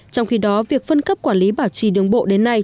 trong khi đó việc phân cấp quản lý bảo trì đường bộ đến nay